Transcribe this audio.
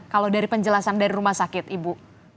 kalau dari penjelasan dari rumah sakit ibu